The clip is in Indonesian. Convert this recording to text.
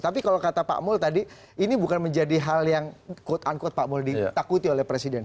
tapi kalau kata pak mul tadi ini bukan menjadi hal yang quote unquote pak mul ditakuti oleh presiden